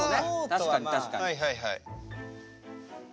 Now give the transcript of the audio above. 確かに確かに。